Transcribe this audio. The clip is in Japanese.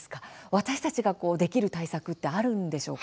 私たちができる対策ってあるんでしょうか。